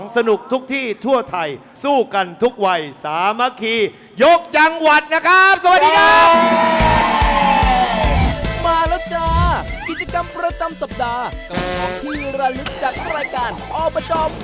สนุกทุกที่ทั่วไทยสู้กันทุกวัยสามัคคียกจังหวัดนะครับ